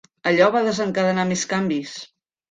Allò va desencadenar més canvis.